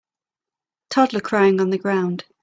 Toddler crying on the ground.